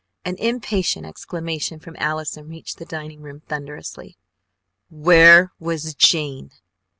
An impatient exclamation from Allison reached the dining room thunderously: "Where was Jane?"